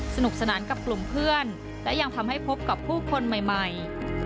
สนุกสนานกับกลุ่มเพื่อนและยังทำให้พบกับผู้คนใหม่